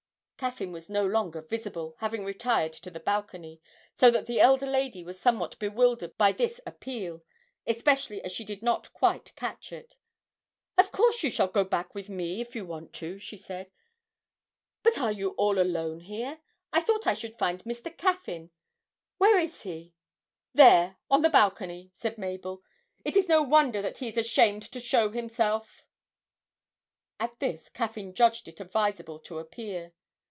Caffyn was no longer visible, having retired to the balcony, so that the elder lady was somewhat bewildered by this appeal, especially as she did not quite catch it. 'Of course you shall go back with me if you want to,' she said; 'but are you all alone here? I thought I should find Mr. Caffyn. Where is he?' 'There, on the balcony,' said Mabel. 'It is no wonder that he is ashamed to show himself!' At this Caffyn judged it advisable to appear.